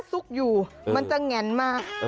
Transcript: หน้าซุกอยู่มันจะแงนมาก